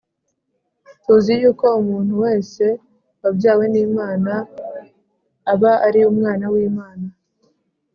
Tuzi yuko umuntu wese wabyawe n Imana aba ari umwana w imana